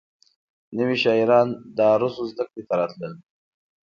نوي شاعران د عروضو زدکړې ته راتلل.